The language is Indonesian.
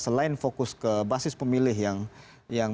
selain fokus ke basis pemilih yang